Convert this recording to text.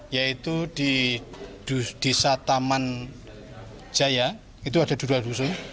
yaitu di desa taman jaya itu ada dua dusun